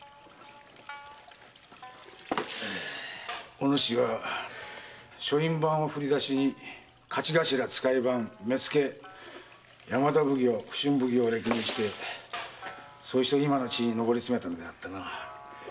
お主は書院番を振り出しに徒頭使番目付山田奉行普請奉行を歴任してそして今の地位に上り詰めたのであったな。